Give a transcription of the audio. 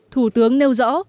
thủ tướng nêu rõ